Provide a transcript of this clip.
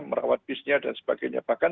merawat bisnya dan sebagainya bahkan